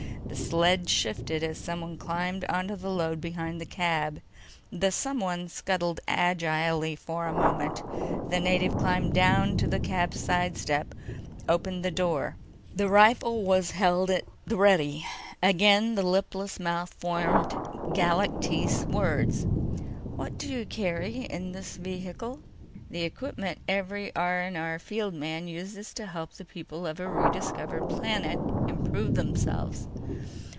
The sled shifted as someone climbed onto the load behind the cab. The someone scuttled agilely for a moment. The native climbed down to the cab's side step, opened the door. The rifle was held at the ready. Again, the lipless mouth formed Galactese words: "What do you carry in this ... vehicle?" "The equipment every R&R field man uses to help the people of a rediscovered planet improve themselves."